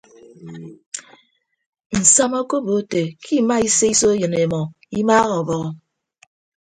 Nsama okobo ete ke ima ise iso eyịn emọ imaaha ọbọhọ.